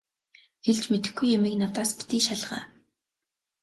Хэлж мэдэхгүй юмыг надаас битгий шалгаа.